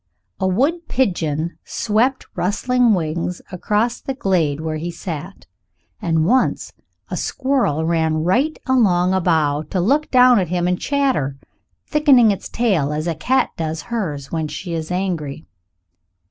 A wood pigeon swept rustling wings across the glade where he sat, and once a squirrel ran right along a bough to look down at him and chatter, thickening its tail as a cat does hers when she is angry.